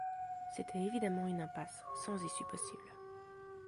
C’était évidemment une impasse, sans issue possible.